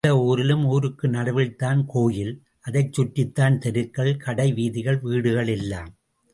எந்த ஊரிலும் ஊருக்கு நடுவில் தான் கோயில், அதைச் சுற்றித்தான் தெருக்கள், கடை வீதிகள், வீடுகள் எல்லாம்.